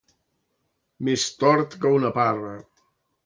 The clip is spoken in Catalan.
Més tort que una parra.